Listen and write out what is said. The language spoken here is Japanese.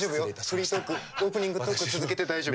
フリートークオープニングトークを続けて大丈夫。